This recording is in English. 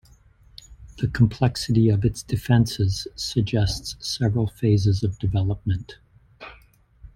The complexity of its defences suggests several phases of development.